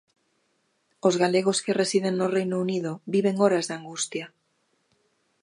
Os galegos que residen no Reino Unido viven horas de angustia.